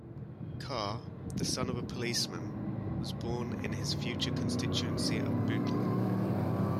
Carr, the son of a policeman, was born in his future constituency of Bootle.